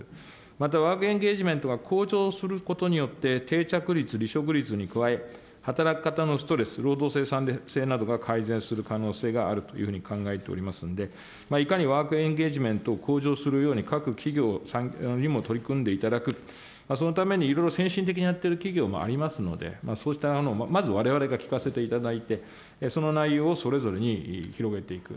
また、ワークエンゲージメントが向上することによって、定着率、離職率に加え、働く方のストレス、労働生産性などが改善する可能性があるというふうに考えておりますんで、いかにワークエンゲージメントを向上するように各企業にも取り組んでいただく、そのためにいろいろ先進的にやっている企業もありますので、そうしたのを、まずわれわれが聞かせていただいて、その内容をそれぞれに広げていく、